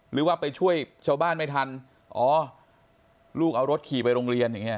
หรือว่าไปช่วยชาวบ้านไม่ทันอ๋อลูกเอารถขี่ไปโรงเรียนอย่างเงี้